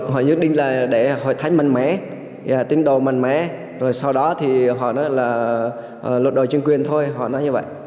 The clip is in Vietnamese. họ nhất định là để hội thánh mạnh mẽ tin đồ mạnh mẽ rồi sau đó thì họ nói là lột đổi chương quyền thôi họ nói như vậy